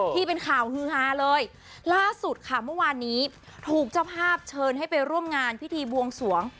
ที่เป็นข่าวฮือฮาเลยล่าสุดค่ะเมื่อวานนี้ถูกเจ้าภาพเชิญให้ไปร่วมงานพิธีบวงสวง